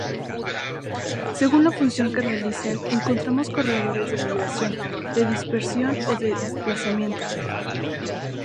Según la función que realicen, encontramos corredores de migración, de dispersión o de desplazamiento.